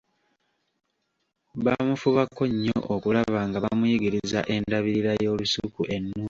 Bamufubako nnyo okulaba nga bamuyigiriza endabirira y'olusuku ennungi.